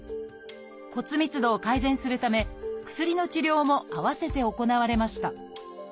骨密度を改善するため薬の治療も併せて行われました。